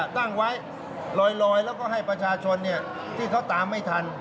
ตั้งไว้ลอยแล้วก็ให้ประชาชนที่เขาตามไม่ทัน